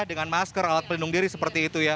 dengan masker alat pelindung diri seperti itu ya